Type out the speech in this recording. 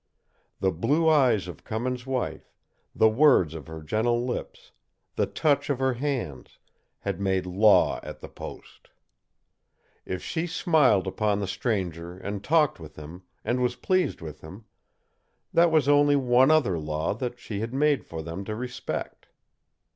The blue eyes of Cummins' wife, the words of her gentle lips, the touch of her hands, had made law at the post. If she smiled upon the stranger and talked with him, and was pleased with him, that was only one other law that she had made for them to respect.